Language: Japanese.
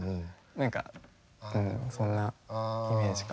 何かそんなイメージかな。